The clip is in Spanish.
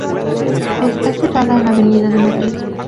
Está situado en la Avenida de Madrid.